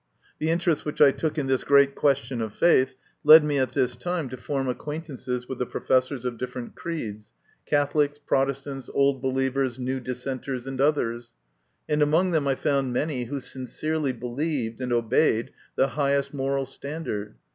The interest which I took in this great question of faith led me at this time to form acquaintance with the professors of different creeds Catholics, Protestants, Old Believers, New Dissenters, and others, and among them I found many who sincerely believed and obeyed the highest moral stand ard.